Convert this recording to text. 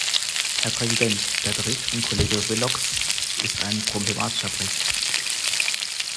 Herr Präsident, der Bericht von Kollege Willockx ist ein problematischer Bericht.